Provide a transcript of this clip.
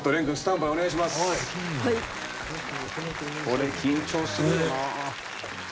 これ緊張するよな。